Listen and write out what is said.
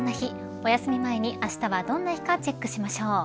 おやすみ前にあしたはどんな日かチェックしましょう。